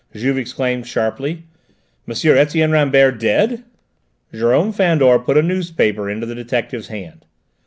Juve exclaimed sharply. "M. Etienne Rambert dead?" Jérôme Fandor put a newspaper into the detective's hand.